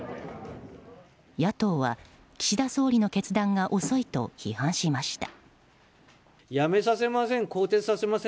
野党は岸田総理の決断が遅いと批判しました。